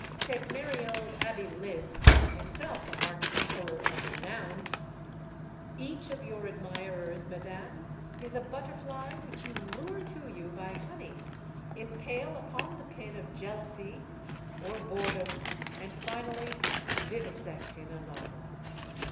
Said merry old Abbe Liszt himself a heart conqueror of renown: "Each of your admirers, madame, is a tmtterfly 168 STORIES OF THE SUPER WOMEN which you lure to you by honey, impale upon the pin of jealously or boredom, and finally vivisect in a novel."